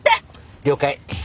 了解。